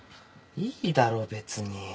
いいだろ別に。